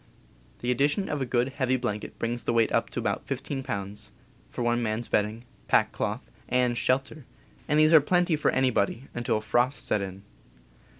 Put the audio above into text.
The addition of a good, heavy blanket brings the weight up to about 15 pounds, for one man's bedding, pack cloth, and shelter — and these are plenty for anybody until frosts set in.